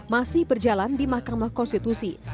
masih berjalan di mahkamah konstitusi